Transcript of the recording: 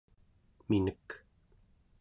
minek